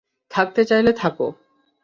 থাকতে চাইলে থাকো।